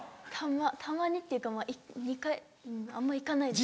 たまにっていうか２回あんま行かないです。